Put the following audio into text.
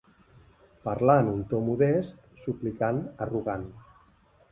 Parlar en un to modest, suplicant, arrogant.